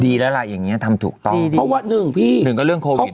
ดีแล้วล่ะอย่างเงี้ทำถูกต้องเพราะว่าหนึ่งพี่หนึ่งก็เรื่องโควิด